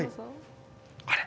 あれ？